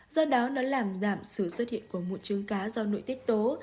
do đó nó làm giảm sự xuất hiện của một trứng cá do nội tiết tố